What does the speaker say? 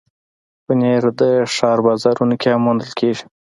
پنېر د ښار بازارونو کې هم موندل کېږي.